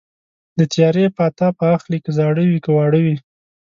د تیارې پاتا به اخلي که زاړه وي که واړه وي